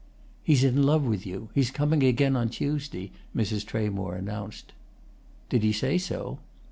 "He's in love with you; he's coming again on Tuesday," Mrs. Tramore announced. "Did he say so?"